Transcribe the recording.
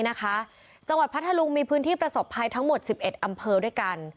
จังหวัดพัทธลุงมีพื้นที่ประสบภัยทั้งหมด๑๑อำเภอด้วยกัน